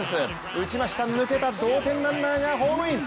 打ちました、抜けた同点ランナーがホームイン！